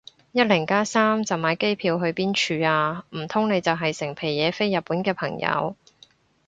一零加三就買機票去邊處啊？唔通你就係成皮嘢飛日本嘅朋友